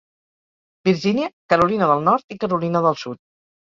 Virgínia, Carolina del Nord i Carolina del Sud.